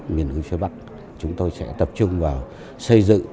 trong những năm qua chúng tôi sẽ tập trung vào xây dựng